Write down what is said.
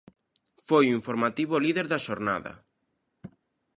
Foi o informativo líder da xornada.